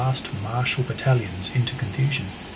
1303—1345. martial battalions into confusion.